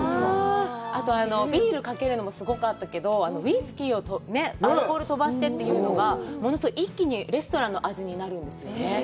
あと、ビールかけるのもすごかったけど、ウイスキーでアルコールを飛ばしてというのが、一気にレストランの味になるんですよね。